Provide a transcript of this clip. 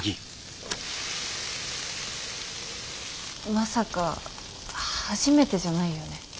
まさか初めてじゃないよね？